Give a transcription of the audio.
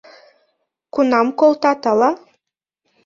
Кунам колтат ала...